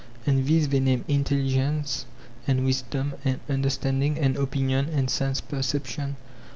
And these they name intelligence and wisdom and understanding and opinion and sense perception.